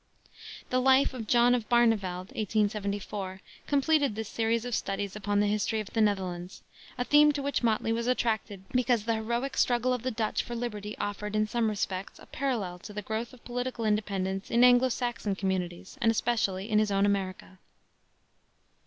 The Life of John of Barneveld, 1874, completed this series of studies upon the history of the Netherlands, a theme to which Motley was attracted because the heroic struggle of the Dutch for liberty offered, in some respects, a parallel to the growth of political independence in Anglo Saxon communities, and especially in his own America.